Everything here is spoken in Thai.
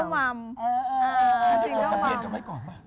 ไม่ได้จดทะเบียนกันไว้ก่อนป่ะ